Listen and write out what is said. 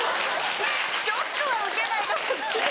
ショックは受けないでほしい。